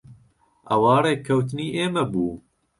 ئەوە ڕێککەوتنی ئێمە بوو.